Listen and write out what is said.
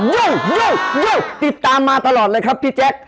ยุ่งยุ่งยุ่งติดตามมาตลอดเลยครับพี่แจ๊ก